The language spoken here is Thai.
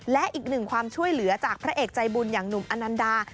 และอีกหนึ่งความช่วยเหลือจากพระเอกใจบุญอย่างหนุ่มอนันดา